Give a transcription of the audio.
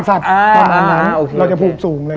ไม่เป็นการเหมือนห้องช้างตอนนั้นเราจะผูกสูงเลย